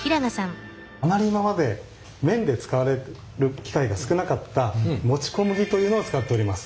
あまり今まで麺で使われる機会が少なかったもち小麦というのを使っております。